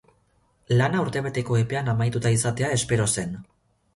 Lana urtebeteko epean amaituta izatea espero zen.